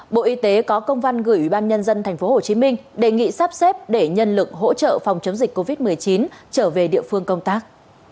bộ y tế có công văn gửi ủy ban nhân dân tp hcm đề nghị sắp xếp để nhân lực hỗ trợ phòng chống dịch covid một mươi chín trở về địa phương công tác